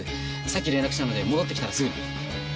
さっき連絡したので戻ってきたらすぐに。